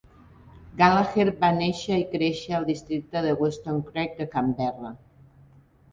Gallagher va néixer i créixer al districte de Weston Creek de Canberra.